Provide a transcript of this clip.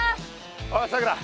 おいさくら！